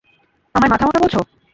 আমায় মাথামোটা বলছো?